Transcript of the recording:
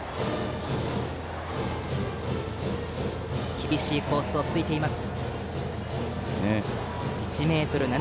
厳しいコースをついてはいます。